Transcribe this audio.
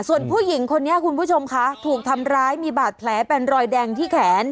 ส่วนผู้หญิงคนนี้คุณผู้ชมคะถูกทำร้ายมีบาดแผลเป็นรอยแดงที่แขน